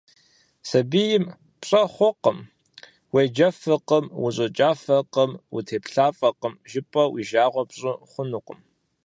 Сабийм «пщӀэр хъуркъым, уеджэфыркъым, ущӀыкӀафӀэкъым, утеплъафӀэкъым», жыпӏэу и жагъуэ пщӏы хъунукъым.